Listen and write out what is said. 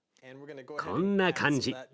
こんな感じ。